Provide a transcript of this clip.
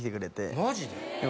マジで？